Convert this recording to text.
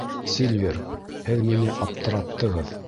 Сильвер, һеҙ мине аптыраттығыҙ.